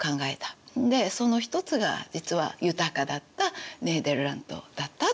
でその一つが実は豊かだったネーデルラントだったと。